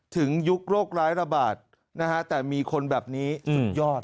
ยุคโรคร้ายระบาดนะฮะแต่มีคนแบบนี้สุดยอด